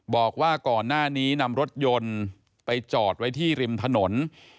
บอกว่าก่อนหน้านี้นำรถยนต์ไปจอดไว้ที่ริมถนน